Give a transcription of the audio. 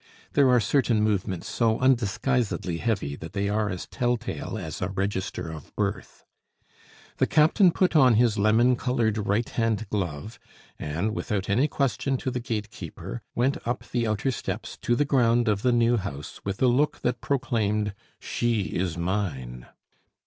There are certain movements so undisguisedly heavy that they are as tell tale as a register of birth. The captain put on his lemon colored right hand glove, and, without any question to the gatekeeper, went up the outer steps to the ground of the new house with a look that proclaimed, "She is mine!"